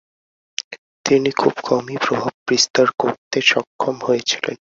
তিনি খুব কমই প্রভাব বিস্তার করতে সক্ষম হয়েছিলেন।